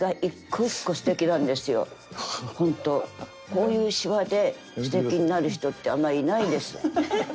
こういうシワですてきになる人ってあんまいないんです。